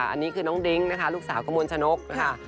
อันนี้คือน้องดิ้งนะคะลูกสาวกระมวลชนกค่ะ